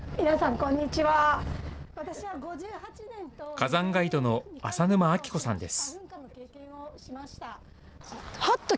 火山ガイドの浅沼亜紀子さんです。